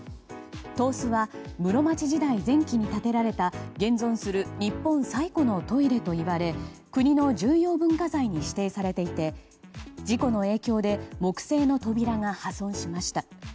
東司は室町時代前期に建てられた現存する日本最古のトイレといわれ国の重要文化財に指定されていて事故の影響で木製の扉が破損しました。